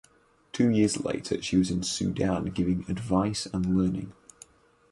Two years later she was in Sudan giving advise and learning.